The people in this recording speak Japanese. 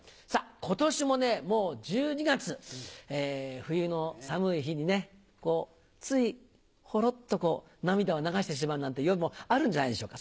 今年もねもう１２月冬の寒い日にねついほろっとこう涙を流してしまうなんて夜もあるんじゃないでしょうか？